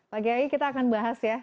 pak kiai kita akan bahas ya